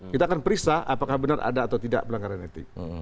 kita akan periksa apakah benar ada atau tidak pelanggaran etik